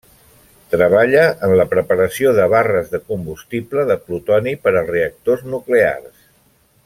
Treballa en la preparació de barres de combustible de plutoni per a reactors nuclears.